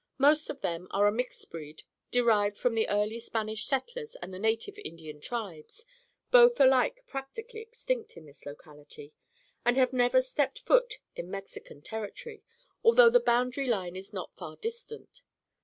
Most of them are a mixed breed derived from the early Spanish settlers and the native Indian tribes—both alike practically extinct in this locality—and have never stepped foot in Mexican territory, although the boundary line is not far distant.